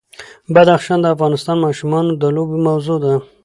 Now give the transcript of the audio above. بدخشان د افغان ماشومانو د لوبو موضوع ده.